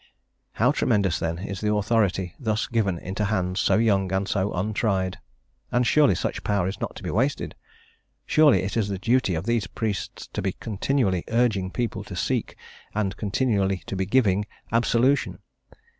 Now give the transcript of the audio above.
How tremendous then is the authority thus given into hands so young and so untried! And surely such power is not to be wasted? Surely it is the duty of these priests to be continually urging people to seek, and continually to be giving, absolution.